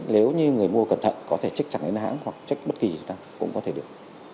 nếu như người mua cẩn thận có thể trích chặt đến hãng hoặc trích bất kỳ chúng ta cũng có thể được